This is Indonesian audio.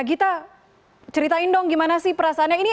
gita ceritain dong gimana sih perasaannya